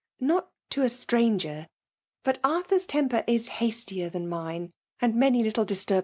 ^; Not to: a stranger; but Aiikur^ t^mp&t is hastier than mine ; and many little dj^iiK n'l